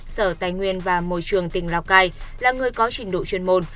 sở tài nguyên và môi trường tỉnh lào cai là người có trình độ chuyên môn